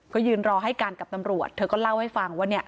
ก็ยืนรอให้การกับตำรวจเธอก็เล่าให้ฟังว่าเนี่ย